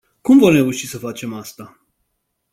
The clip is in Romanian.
Cum vom reuși să facem asta?